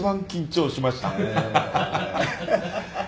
ハハハ！